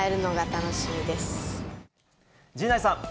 陣内さん。